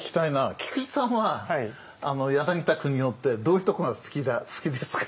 菊地さんは柳田国男ってどういうとこが好きですか？